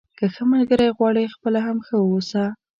که ښه ملګری غواړئ خپله هم ښه واوسه.